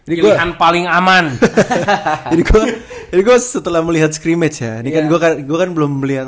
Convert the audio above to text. oke empeng elan paling aman ha ha setelah melihat krim hyoura niheng gua kan gua kan belum belum